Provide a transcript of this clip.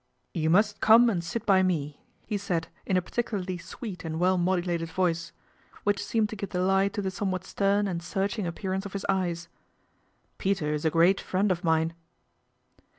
" You must come and sit by me," he said in particularly sweet and well modulated voic which seemed to give the lie to the somewhat ste and searching appearance oi his eyes. " Peter a great friend of mine."